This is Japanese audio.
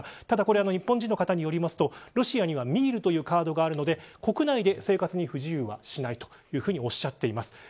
ただ日本人の方によるとロシアにはミールというカードがあるので国内で不自由はしないとおっしゃってます。